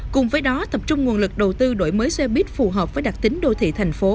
cùng với đó tập trung nguồn lực đầu tư đổi mới xe buýt phù hợp với đặc tính đô thị thành phố